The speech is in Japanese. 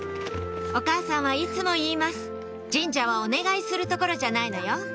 お母さんはいつも言います「神社はお願いする所じゃないのよ」